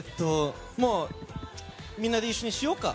みんなで一緒にしようか。